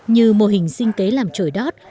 như mô hình sinh kế làm trổi đót